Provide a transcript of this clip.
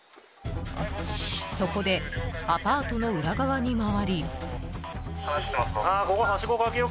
そこで、アパートの裏側に回り。